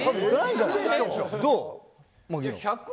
どう。